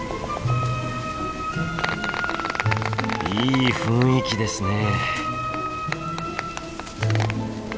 いい雰囲気ですね。